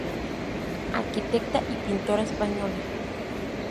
Arquitecta y pintora española.